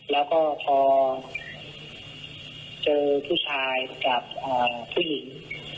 แล้วก็พอเจอผู้ชายกับผู้หญิง